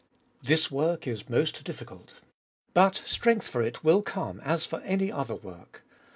1. This work is most difficult. But strength for it will come as for any other work.